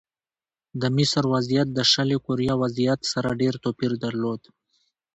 د مصر وضعیت د شلي کوریا وضعیت سره ډېر توپیر درلود.